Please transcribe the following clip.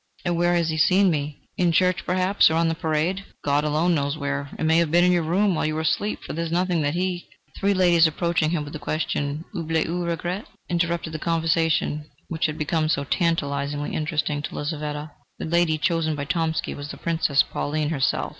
"And where has he seen me?" "In church, perhaps; or on the parade God alone knows where. It may have been in your room, while you were asleep, for there is nothing that he " Three ladies approaching him with the question: "oubli ou regret?" interrupted the conversation, which had become so tantalisingly interesting to Lizaveta. The lady chosen by Tomsky was the Princess Pauline herself.